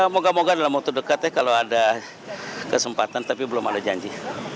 moga moga dalam waktu dekat ya kalau ada kesempatan tapi belum ada janji